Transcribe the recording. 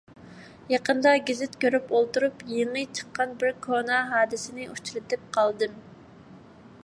يېقىندا گېزىت كۆرۈپ ئولتۇرۇپ، يېڭى چىققان بىر كونا ھادىسىنى ئۇچرىتىپ قالدىم.